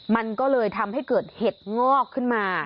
มันก็เลยทำให้เกิดเหตุงอกขึ้นมา